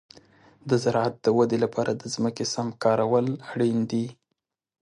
د زراعت د ودې لپاره د ځمکې سم کارول اړین دي.